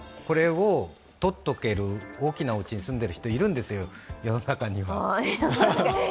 これをとっておける大きなおうちに住んでいる人がいるんですよ、世の中には。